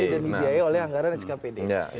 dan dibiayai oleh anggaran skpd